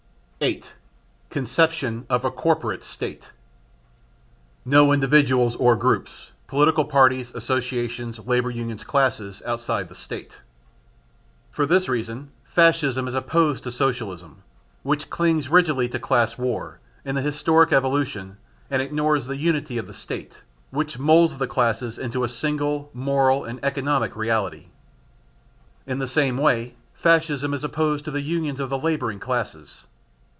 8. Conception of a Corporate State. No individuals nor groups (political parties, associations, labour unions, classes) outside the State. For this reason Fascism is opposed to Socialism, which clings rigidly to class war in the historic evolution and ignores the unity of the State which moulds the classes into a single, moral and economic reality. In the same way Fascism is opposed to the unions of the labouring classes.